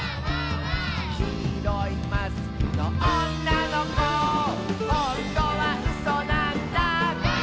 「きいろいマスクのおんなのこ」「ほんとはうそなんだ」